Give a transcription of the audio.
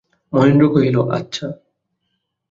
মহেন্দ্র কহিল, আচ্ছা।